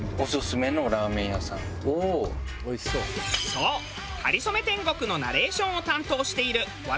そう『かりそめ天国』のナレーションを担当している私